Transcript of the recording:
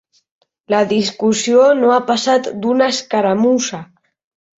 La discussió no ha passat d'una escaramussa.